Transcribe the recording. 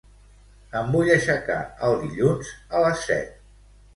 Em vull aixecar el dilluns a les set.